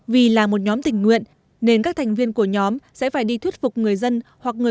vì là một nhóm tình nguyện nên các thành viên của nhóm sẽ phải đi thuyết phục người dân hoặc người